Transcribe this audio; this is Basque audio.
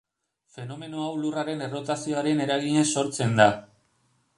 Fenomeno hau Lurraren errotazioaren eraginez sortzen da.